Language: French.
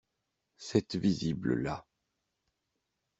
Cette visible-là.